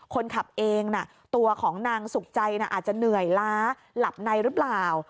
คนขับเองตัวของนางสุขใจอาจจะเหนื่อยล้าหลับในหรือเปล่า